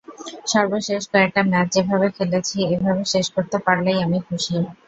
সর্বশেষ কয়েকটা ম্যাচ যেভাবে খেলেছি এভাবে শেষ করতে পারলেই আমি খুশি।